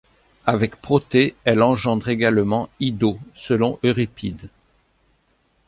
Avec Protée, elle engendre également Ido selon Euripide.